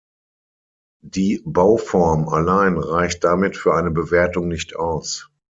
Die Bauform allein reicht damit für eine Bewertung nicht aus.